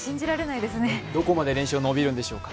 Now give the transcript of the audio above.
どこまで連勝伸びるんでしょうか。